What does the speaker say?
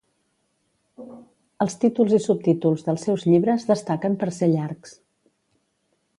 Els títols i subtítols dels seus llibres destaquen per ser llargs.